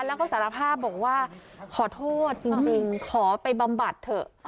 แล้วก็สารภาพบอกว่าขอโทษจริงขอไปบำบัดเถอะ